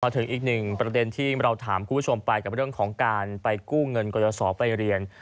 ถึงอีกหนึ่งประเด็นที่เราถามคุณผู้ชมไปกับเรื่องของการไปกู้เงินกรยศไปเรียน